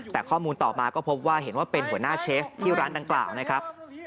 แต่ข้อมูลต่อมาก็พบว่าเห็นว่าเป็นหัวหน้าเชฟที่ร้านดังกล่าวนะครับ